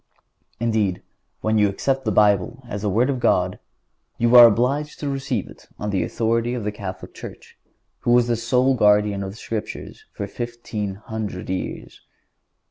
Indeed, when you accept the Bible as the Word of God, you are obliged to receive it on the authority of the Catholic Church, who was the sole Guardian of the Scriptures for fifteen hundred years.